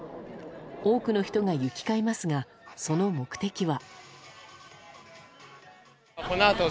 多くの人が行き交いますがその目的は。